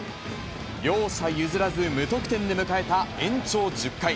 両者譲らず、無得点で迎えた延長１０回。